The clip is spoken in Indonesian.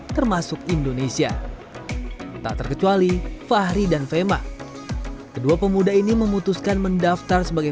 termasuk indonesia tak terkecuali fahri dan fema kedua pemuda ini memutuskan mendaftar sebagai